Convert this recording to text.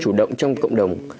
chủ động trong cộng đồng